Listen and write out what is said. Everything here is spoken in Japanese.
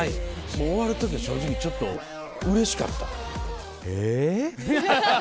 終わる時は正直ちょっとうれしかった？え？